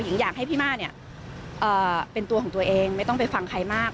อยากให้พี่ม่าเนี่ยเป็นตัวของตัวเองไม่ต้องไปฟังใครมาก